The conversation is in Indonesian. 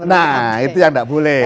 nah itu yang tidak boleh